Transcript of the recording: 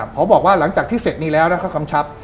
พอบอกว่าหลังจากที่เสร็จนี้แล้วนะเขากำชับ